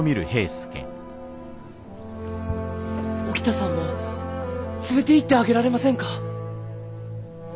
沖田さんも連れていってあげられませんか？